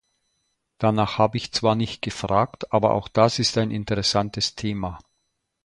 Danach habe ich zwar nicht gefragt, aber auch das ist ein interessantes Thema.